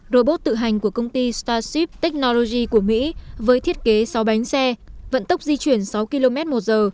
robot tự hành của công ty starship technology của mỹ với thiết kế sáu bánh xe vận tốc di chuyển sáu km một giờ